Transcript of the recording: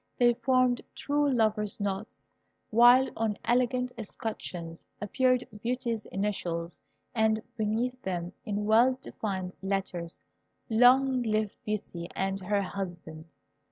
They formed true lovers' knots, while on elegant escutcheons appeared Beauty's initials, and beneath them, in well defined letters, "Long live Beauty and her Husband."